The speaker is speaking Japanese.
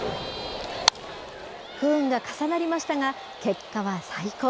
不運が重なりましたが、結果は最高。